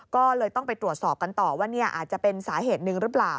ก็เลยต้องไปตรวจสอบกันต่อว่าอาจจะเป็นสาเหตุหนึ่งหรือเปล่า